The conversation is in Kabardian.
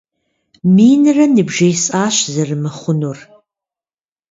Минрэ ныбжесӏащ зэрымыхъунур!